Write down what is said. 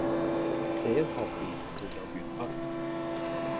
這一學年沒有完畢，